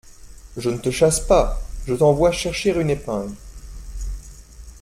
Je ne te chasse pas… je t’envoie chercher une épingle…